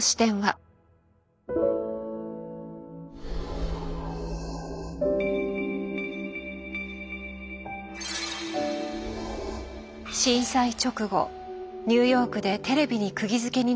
震災直後ニューヨークでテレビにくぎづけになっていた一人のアメリカ人。